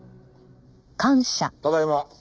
ただいま。